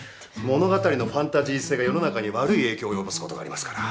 物語のファンタジー性が世の中に悪い影響を及ぼすことがありますから。